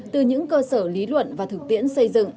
từ những cơ sở lý luận và thực tiễn xây dựng